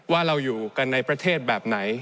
ว่าเราอยู่กันในประเทศแบบไหน